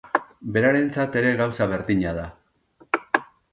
Berarentzat ere gauza berdina da.